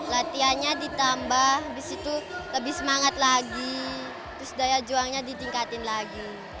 latihannya ditambah habis itu lebih semangat lagi terus daya juangnya ditingkatin lagi